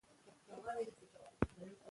د مغرور عقل په برخه زولنې کړي.